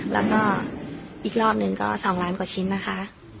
แล้วก็อีกรอบหนึ่งก็๒ล้านกว่าชิ้นนะคะ